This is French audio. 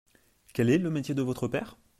Quelle est le métier de votre père ?